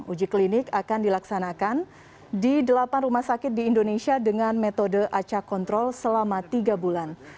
uji klinik akan dilaksanakan di delapan rumah sakit di indonesia dengan metode acak kontrol selama tiga bulan